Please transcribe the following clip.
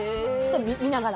見ながら？